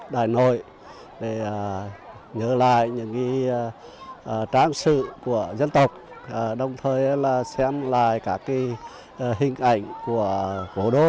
đại nội nhớ lại những trang sự của dân tộc đồng thời xem lại các hình ảnh của vô đô